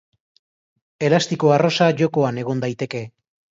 Elastiko arrosa jokoan egon daiteke.